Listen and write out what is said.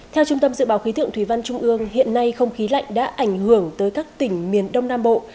theo trung tâm dự báo khí tượng thủy văn trung ương hiện nay không khí lạnh đã ảnh hưởng tới các tỉnh miền đông nam bộ